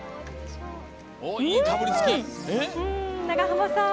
長濱さん